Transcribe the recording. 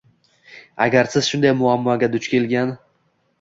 Agar siz shunday muammoga duch kelgan